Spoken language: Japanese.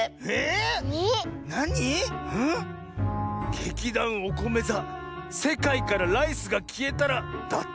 劇団おこめ座「せかいからライスがきえたら」だって。